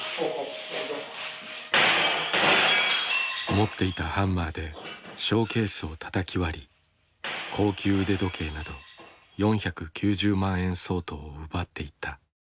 持っていたハンマーでショーケースをたたき割り高級腕時計など４９０万円相当を奪っていった。